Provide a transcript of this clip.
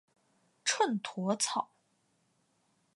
秤砣草